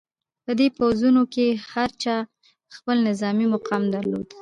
په دې پوځونو کې هر چا خپل نظامي مقام درلود.